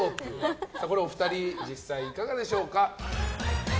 これはお二人実際いかがでしょうか。